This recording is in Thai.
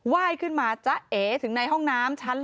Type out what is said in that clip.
ว่ายขึ้นมาจะเอถึงในห้องน้ำชั้นล่าง